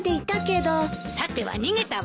さては逃げたわね。